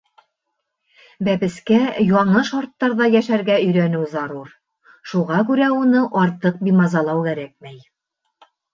Бәпескә яңы шарттарҙа йәшәргә өйрәнеү зарур, шуға күрә уны артыҡ бимазалау кәрәкмәй.